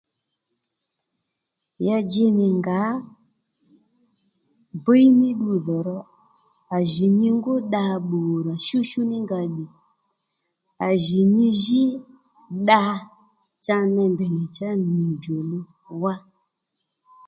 Ya dji nì ngǎ bíy ní ddu dhò ro à jì nyi ngú dda-bbùò rà shúshú ní nga bbì à jì nyi jí dda cha ney ndèy nì nyû djòluw wá